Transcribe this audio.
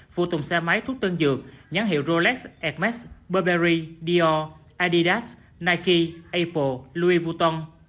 phù tùng xe máy thuốc tân dược nhãn hiệu rolex hermès burberry dior adidas nike apple louis vuitton